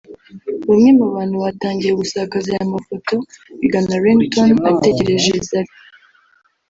Bamwe mu bantu batangiye gusakaza aya mafoto bigana Ringtone ategereje Zari